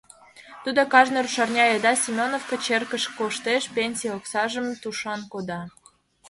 Тудо кажне рушарня еда Семёновка черкыш коштеш, пенсий оксажым тушан кода.